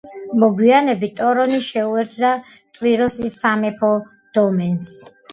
მოგვიანებით ტორონი შეუერთდა ტვიროსის სამეფო დომენს.